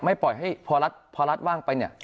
ไม่ปล่อยให้พอรัฐพอรัฐว่างไป